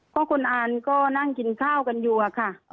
เพราะคุณอ่านก็นั่งกินข้าวกันอยู่อะค่ะ